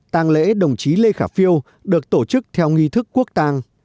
tàng lễ đồng chí lê khả phiêu được tổ chức theo nghi thức quốc tàng